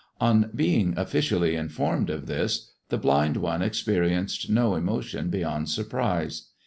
On being officially informed of this, the blind one experienced no emotion beyond surprise.